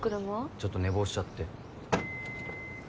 ちょっと寝坊しちゃって。